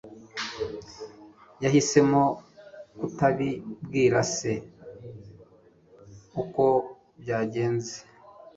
yahisemo kutabibwira se ukon byagenze